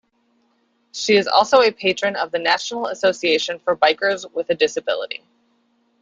She is also a patron of the National Association for Bikers with a Disability.